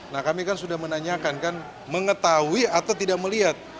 nah kami kan sudah menanyakan kan mengetahui atau tidak melihat